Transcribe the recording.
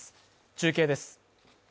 中継です。